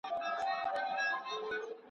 چي در معلوم شي د درمن زړګي حالونه.